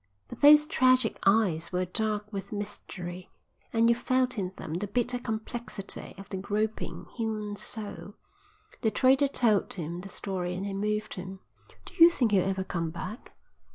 But those tragic eyes were dark with mystery, and you felt in them the bitter complexity of the groping, human soul. The trader told him the story and it moved him. "Do you think he'll ever come back?"